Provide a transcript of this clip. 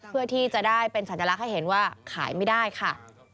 เพื่อที่จะได้เป็นสัญลักษณ์ให้เห็นว่าขายไม่ได้ค่ะ